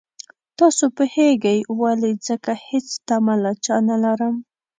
تاسو پوهېږئ ولې ځکه هېڅ تمه له چا نه لرم.